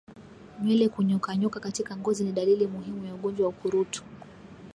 Nywele kunyonyoka katika ngozi ni dalili muhimu ya ugonjwa wa ukurutu